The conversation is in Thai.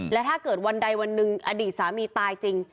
และถ้าเกิดวันใดวันหนึ่งอดีตสามีตายจริง